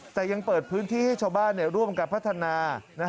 แต่ยังเปิดพื้นที่ให้ชาวบ้านร่วมกับพัฒนา